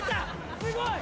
すごい！